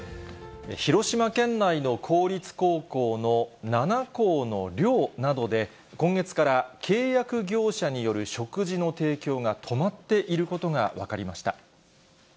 広島県内の公立高校の７校の寮などで、今月から、契約業者による食事の提供が止まっていることが分かりました。